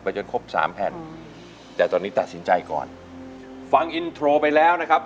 จนครบสามแผ่นแต่ตอนนี้ตัดสินใจก่อนฟังอินโทรไปแล้วนะครับ